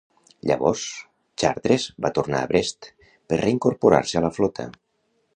Llavors, Chartres va tornar a Brest per reincorporar-se a la flota.